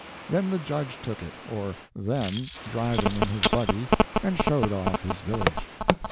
Then the judge took it or them driving in his buggy and showed off his village.